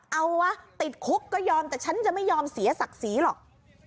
เอาวะติดคุกก็ยอมแต่ฉันจะไม่ยอมเสียศักดิ์ศรีหรอก